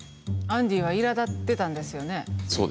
アンディはいらだっていたんですよね。